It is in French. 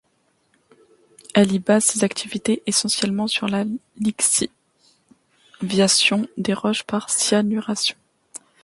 Elle y base ses activités essentiellement sur la lixiviation des roches par cyanuration.